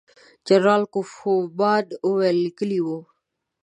جنرال کوفمان وروسته لیکلي وو.